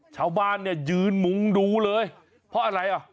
ชาวบ้านยืนหมุงดูเลยเพราะอะไร